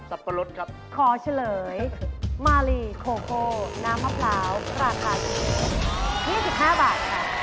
สับปะรดครับขอเฉลยมาลีโคโฮน้ำพะพร้าวราคา๒๕บาท